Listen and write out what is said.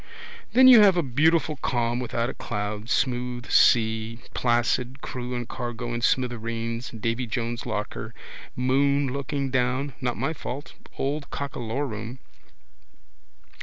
Then you have a beautiful calm without a cloud, smooth sea, placid, crew and cargo in smithereens, Davy Jones' locker, moon looking down so peaceful. Not my fault, old cockalorum.